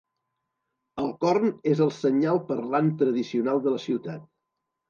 El corn és el senyal parlant tradicional de la ciutat.